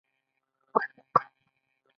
ایا ستاسو ګاونډیان له تاسو خوښ نه دي؟